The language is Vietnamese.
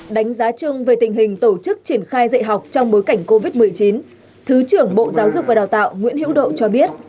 đánh giá chung về tình hình tổ chức triển khai dạy học trong bối cảnh covid một mươi chín thứ trưởng bộ giáo dục và đào tạo nguyễn hữu độ cho biết